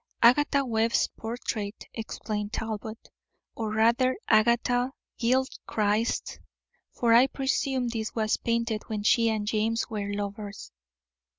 "Agatha Webb's portrait," explained Talbot, "or rather Agatha Gilchrist's; for I presume this was painted when she and James were lovers."